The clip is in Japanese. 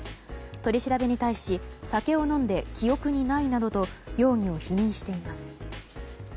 取り調べに対し酒を飲んで、記憶にないなどと容疑を否認しています。